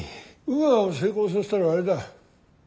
ウーアを成功させたらあれだ。